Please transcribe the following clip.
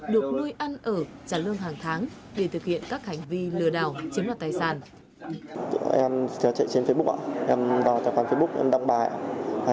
được nuôi ăn ở các đối tượng trên tuyển vào làm nhân viên được nuôi ăn ở các đối tượng trên